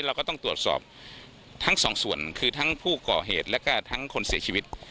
เราก็ต้องตรวจสอบทั้งสองส่วนคือทั้งผู้ก่อเหตุแล้วก็ทั้งคนเสียชีวิต